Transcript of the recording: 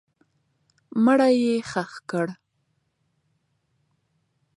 مړی یې ښخ کړه.